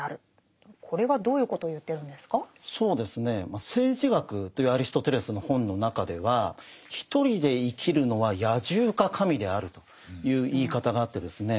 まあ「政治学」というアリストテレスの本の中ではという言い方があってですね